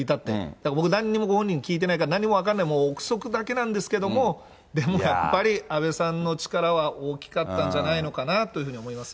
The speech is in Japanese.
だから僕、なんにもご本人に聞いてないから、なんにも分からない、臆測だけなんですけれども、でもやっぱり、安倍さんの力は大きかったんじゃないのかなというふうに思います